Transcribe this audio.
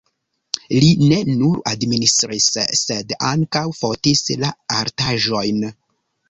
Li ne nur administris, sed ankaŭ fotis la artaĵojn.